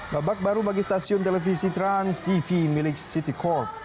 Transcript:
babak baru bagi stasiun televisi transtv milik city corp